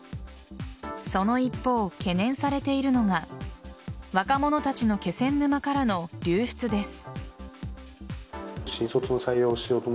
その一方、懸念されているのが若者たちの気仙沼からの流出です。